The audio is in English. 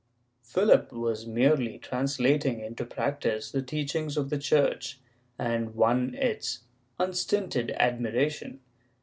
^ Philip was merely translating into practice the teachings of the Church and won its unstinted admiration.